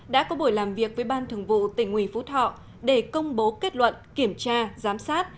đã có buổi làm việc với ban thường vụ tỉnh ủy phú thọ để công bố kết luận kiểm tra giám sát